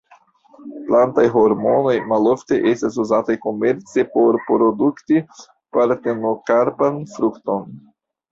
Plantaj hormonoj malofte estas uzataj komerce por produkti partenokarpan frukton.